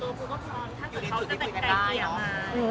คือส่วนตัวครูก็พร้อมถ้าเขาจะแต่ใครเกี่ยวมา